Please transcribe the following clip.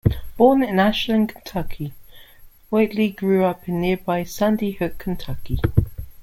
Born in Ashland, Kentucky, Whitley grew up in nearby Sandy Hook, Kentucky.